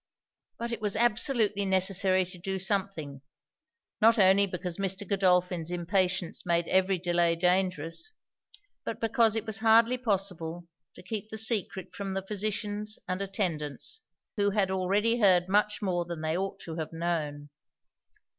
But it was absolutely necessary to do something; not only because Mr. Godolphin's impatience made every delay dangerous, but because it was hardly possible to keep the secret from the physicians and attendants, who had already heard much more than they ought to have known.